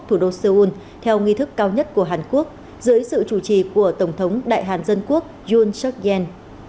thủ đô seoul theo nghi thức cao nhất của hàn quốc dưới sự chủ trì của tổng thống đại hàn dân quốc yun suk yen